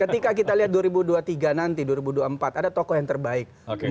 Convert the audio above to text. ketika kita lihat dua ribu dua puluh tiga nanti dua ribu dua puluh empat ada tokoh yang terbaik